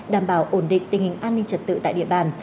đảm bảo ổn định tình hình an ninh trật tự tại địa bàn